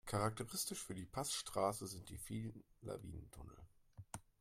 Charakteristisch für die Passstraße sind die vielen Lawinentunnel.